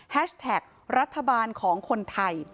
แท็กรัฐบาลของคนไทย